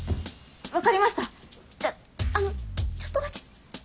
分かりましたじゃああのちょっとだけ。